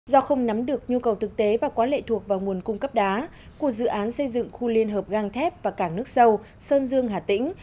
do không nắm được nhu cầu thực tế và quá lệ thuộc vào nguồn cung cấp đá của dự án xây dựng khu liên hợp gang thép và cảng nước sâu sơn dương hà tĩnh